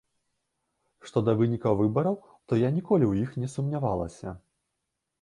Што да вынікаў выбараў, то я ніколі ў іх не сумнявалася.